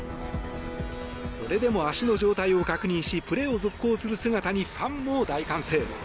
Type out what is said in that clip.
それでも足の状態を確認しプレーを続行する姿にファンも大歓声。